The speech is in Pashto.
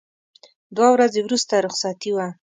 دوه ورځې وروسته رخصتي وه.